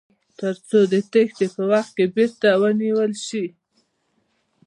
تر څو د تیښتې په وخت کې بیرته ونیول شي.